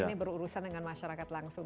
ini berurusan dengan masyarakat langsung